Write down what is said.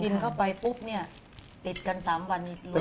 กินเข้าไปปุ๊บเนี่ยติดกันซ้ำวันนี้รู้เลย